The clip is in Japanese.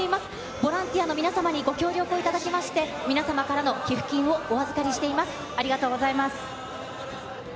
ボランティアの皆さんにご協力をいただきまして、皆様からの寄付金をお預かりしています。